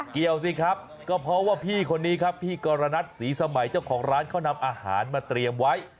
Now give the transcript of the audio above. เกี่ยวสิครับก็เพราะว่าพี่คนนี้ครับพี่กรณัฐศรีสมัยเจ้าของร้านเขานำอาหารมาเตรียมไว้